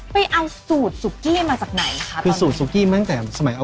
ไปเอาสุกี้มาจากไหนครับ